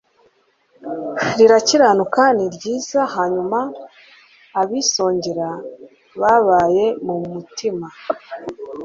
rirakiranuka ni ryiza Hanyuma abisongerababaye mu mutima